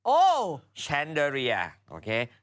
โอ้วชันเดอรี่ย่า